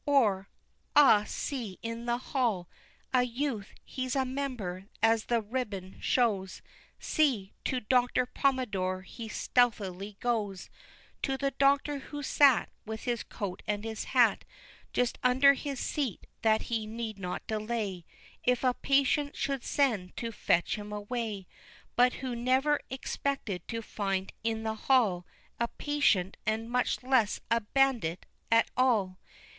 or" ah, see, in the hall A youth he's a member, as that ribbon shows See! to Doctor Pomander he stealthily goes To the doctor, who sat With his coat and his hat Just under his seat, that he need not delay If a patient should send to fetch him away; But who never expected to find in the hall A patient and much less a bandit at all!